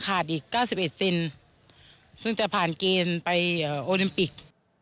อีก๙๑เซนซึ่งจะผ่านเกณฑ์ไปโอลิมปิก